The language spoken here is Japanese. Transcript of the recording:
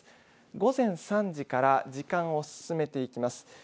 午前３時から時間を進めていきます。